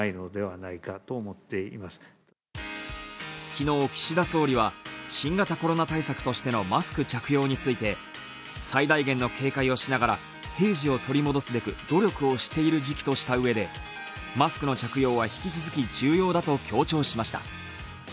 昨日、岸田総理は新型コロナ対策としてのマスク着用について最大限の警戒をしながら平時を取り戻すべく努力をしている時期としたうえでマスクの着用は引き続き重要だと強調しました。